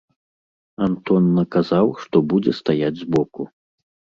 Антон наказаў, што будзе стаяць з боку.